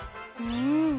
うん！